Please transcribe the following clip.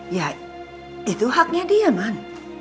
ya itu haknya dia man